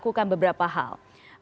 untuk dilakukan beberapa hal